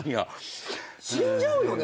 死んじゃうよね